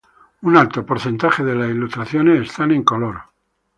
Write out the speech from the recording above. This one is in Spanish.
Un alto porcentaje de las ilustraciones está en color.